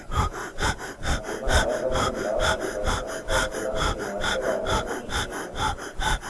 Afirma haber documentado el secuestro, tortura y muerte de algunos de sus miembros.